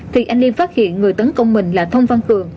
thì anh liêm phát hiện người tấn công mình là thông văn cường